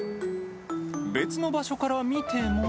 別の場所から見ても。